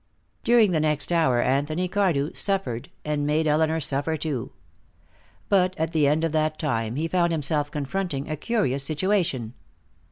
During the next hour Anthony Cardew suffered, and made Elinor suffer, too. But at the end of that time he found himself confronting a curious situation.